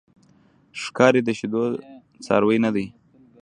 ښکاري د شیدو څاروی نه دی.